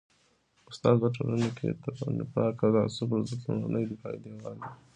استاد په ټولنه کي د نفاق او تعصب پر ضد لومړنی دفاعي دیوال دی.